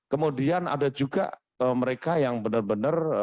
kemudian ada juga mereka yang benar benar